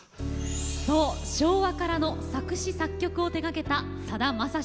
そう「昭和から」の作詞・作曲を手がけたさだまさしさん。